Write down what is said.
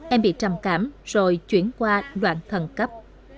em bị trầm cảm rồi chuyển qua đoạn thần cấp